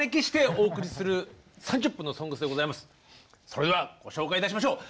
それではご紹介いたしましょう。